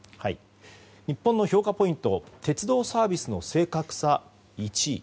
日本の評価ポイント鉄道サービスの正確さが１位。